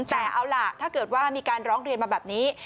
แต่เอาล่ะถ้าเกิดว่ามีการร้องเรียนมาแบบนี้